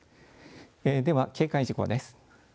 では警戒事項です。